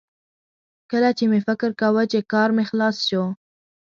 کله چې مې فکر کاوه چې کار مې خلاص شو